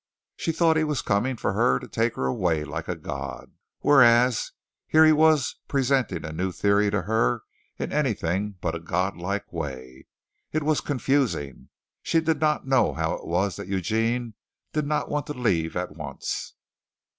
She thought he was coming for her to take her away like a god, whereas here he was presenting a new theory to her in anything but a god like way. It was confusing. She did not know how it was that Eugene did not want to leave at once.